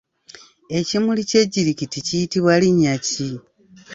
Ekimuli ky’ejjirikiti kiyitibwa linnya ki?